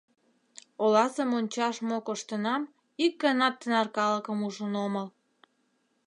Оласе мончаш мо коштынам, ик ганат тынар калыкым ужын омыл.